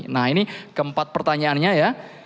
nah ini keempat pertanyaannya ya